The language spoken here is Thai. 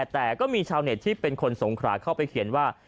แต่ก็มีชาวเน็ตที่เป็นคนสงขราเข้าไปเขียนว่า